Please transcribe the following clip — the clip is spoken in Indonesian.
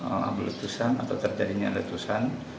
abu letusan atau terjadinya letusan